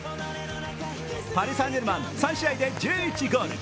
パリ・サン＝ジェルマン３試合で１１ゴール